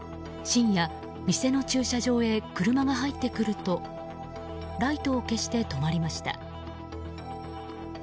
深夜、店の駐車場へ車が入ってくるとライトを消して止まりました。